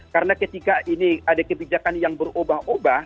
karena ketika ini ada kebijakan yang berubah ubah